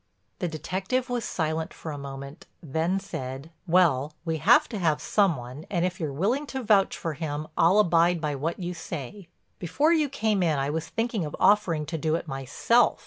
The detective was silent for a moment, then said: "Well, we have to have some one and if you're willing to vouch for him I'll abide by what you say. Before you came in I was thinking of offering to do it myself.